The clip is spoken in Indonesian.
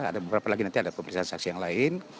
ada beberapa lagi nanti ada pemeriksaan saksi yang lain